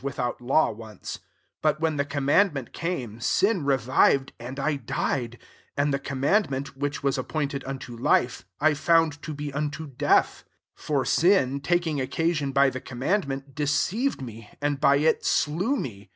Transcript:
without law once: but, when the cominandinent came, sin revived, and I died : 10 and the commandment, which tvaa a/i painted unto life, I found to be unto death. 11 For sin, tak ing occasion by the command ment, deceived me, and by it slew me.